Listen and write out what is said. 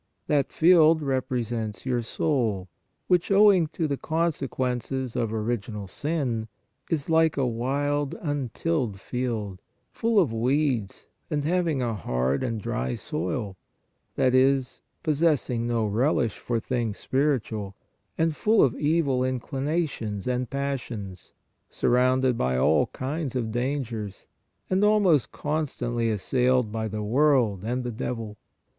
That field represents your soul, which, owing to the consequences of original sin, is like a wild, untilled field, full of weeds and having a hard and dry soil, that is, possessing no relish for things spiritual, and full of evil inclina tions and passions, surrounded by all kinds of dan gers and almost constantly assailed by the world and the devil.